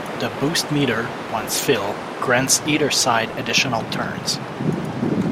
The Boost meter, once filled, grants either side additional turns.